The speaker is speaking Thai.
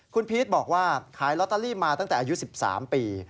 คุณพีชบอกว่าขายลอตเตอรี่มาตั้งแต่อายุ๑๓ปี